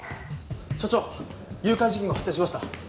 署長誘拐事件が発生しました。